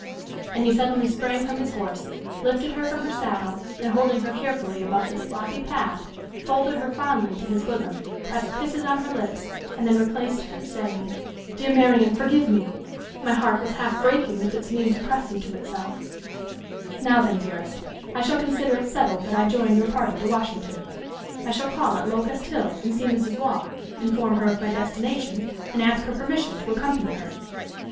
And he suddenly sprang from his horse lifted her from her saddle, and holding her carefully above the sloppy path, folded her fondly to his bosom, pressed kisses on her lips, and then replaced her, saying: "Dear Marian, forgive me! My heart was half breaking with its need to press you to itself! Now then, dearest, I shall consider it settled that I join your party to Washington. I shall call at Locust Hill and see Mrs. Waugh, inform her of my destination, and ask her permission to accompany her.